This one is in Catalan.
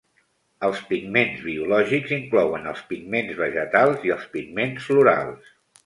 Els pigments biològics inclouen els pigments vegetals i els pigments florals.